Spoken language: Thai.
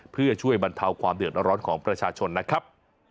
เพื่อช่วยบรรเทาความเดือดร้อนของประชาชนนะครับ